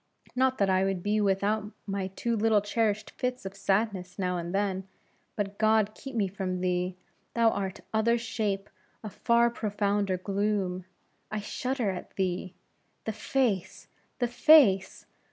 Not that I would be without my too little cherished fits of sadness now and then; but God keep me from thee, thou other shape of far profounder gloom! I shudder at thee! The face! the face!